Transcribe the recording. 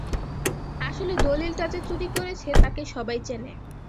আসলে দলিলটা যে চুরি করেছে তাকে সবাই চেনে।